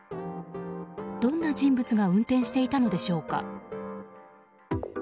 どんな人物が運転していたのでしょうか。